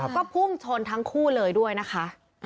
ก็พุ่งชนทั้งคู่เลยด้วยนะคะ